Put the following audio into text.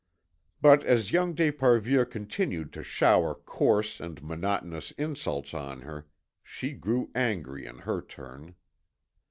But as young d'Esparvieu continued to shower coarse and monotonous insults on her, she grew angry in her turn.